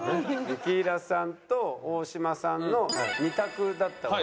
雪平さんと大島さんの２択だったわけですけど。